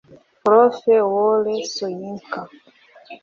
Prof Wole Soyinka